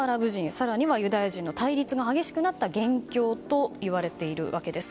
更には、ユダヤ人との対立が激しくなった元凶と言われているわけです。